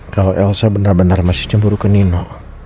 kalau elsa benar benar masih cemburu ke neno